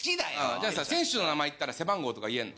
じゃあさ選手の名前言ったら背番号とか言えんの？